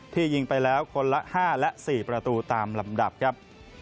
ยิงไปแล้วคนละ๕และ๔ประตูตามลำดับครับ